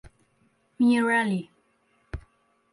Murali.